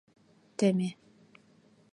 Теме.